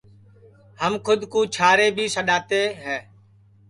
ہم کھود کُو چھارے بھی سڈؔاتے ہے